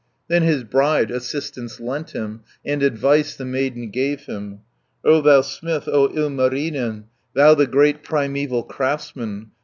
50 Then his bride assistance lent him, And advice the maiden gave him: "O thou smith, O Ilmarinen, Thou the great primeval craftsman!